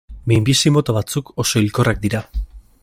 Minbizi mota batzuk oso hilkorrak dira.